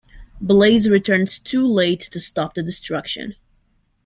Blaze returns too late to stop the destruction.